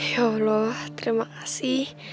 ya allah terima kasih